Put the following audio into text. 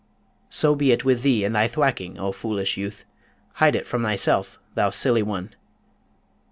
So be it with thee and thy thwacking, O foolish youth! Hide it from thyself, thou silly one!